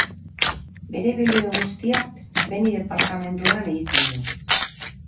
Bere ibilbide guztia Beni departamenduan egiten du.